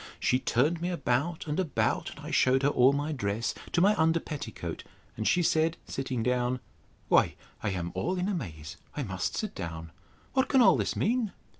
—She turned me about and about, and I shewed her all my dress, to my under petticoat: and she said, sitting down, Why, I am all in amaze, I must sit down. What can all this mean?